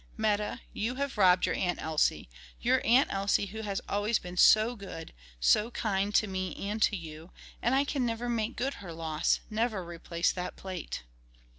"Meta, you have robbed your Aunt Elsie, your Aunt Elsie who has always been so good, so kind to me and to you: and I can never make good her loss; never replace that plate."